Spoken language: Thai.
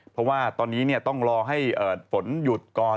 เพราะว่าตอนนี้ต้องรอให้ฝนหยุดก่อน